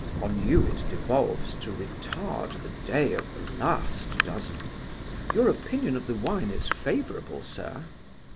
On you it devolves to retard the day of the last dozen." "Your opinion of the wine is favourable, sir?"